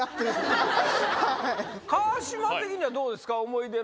川島的にはどうですか？